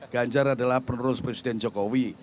ganjar adalah penerus presiden jokowi